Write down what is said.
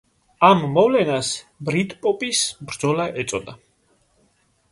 ამ მოვლენას „ბრიტპოპის ბრძოლა“ ეწოდა.